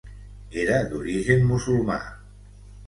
Era d'origen musulmà.